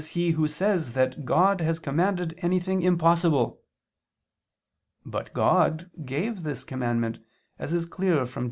] "accursed is he who says that Cod has commanded anything impossible." But God gave this commandment, as is clear from Deut.